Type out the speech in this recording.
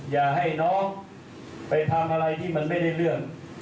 อย่าให้น้องไปทำอะไรที่มันไม่ได้เรื่อง